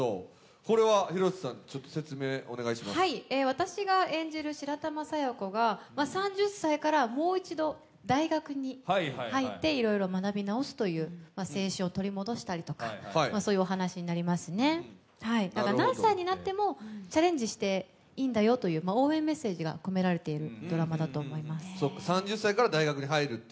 私が演じる白玉佐弥子が３０歳からもう一度、大学に入っていろいろ学び直すという青春を取り戻したりとか、そういうお話になります、何歳になってもチャレンジしていいんだよという応援メッセージが込められてるドラマだと思います